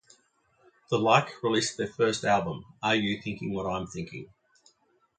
The Like released their first album, Are You Thinking What I'm Thinking?